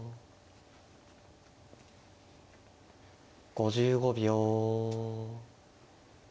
５５秒。